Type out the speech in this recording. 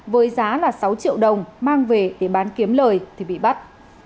với giá là sáu triệu đồng mang về để bán kiếm lời thì bị bắt